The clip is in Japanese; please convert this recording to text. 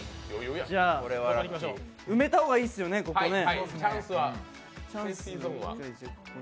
埋めた方がいいっすよね、ここね。